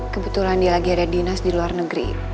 kebetulan dia lagi ada dinas di luar negeri